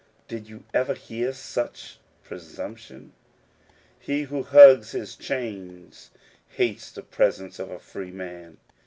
Did you ever hear of such presumption ?" He who hugs his chains hates the presence of a free man.